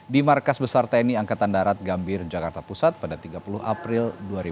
di markas besar tni angkatan darat gambir jakarta pusat pada tiga puluh april dua ribu dua puluh